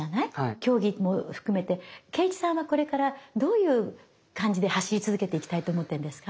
競技も含めて敬一さんはこれからどういう感じで走り続けていきたいと思ってるんですか？